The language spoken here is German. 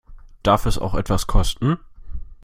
Darf es auch etwas kosten?